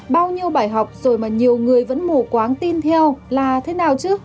bao nhiêu bài học rồi mà nhiều người vẫn mù quáng tin theo là thế nào chứ